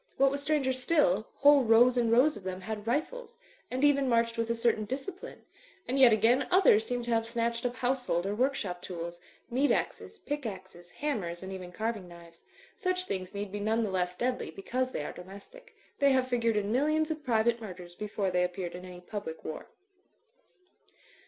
What was stranger still, whole rows and rows of them had rifles, and even marched with a certain discipline ; and yet again, others seemed to have snatched up household or work shop tools, meat axes, pick axes, hammers and even carving knives. Such things need be none the less deadly because they are domestic. They have figured in millions of private murders before they appeared in any public war.